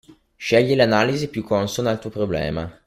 Scegli l'analisi più consona al tuo problema.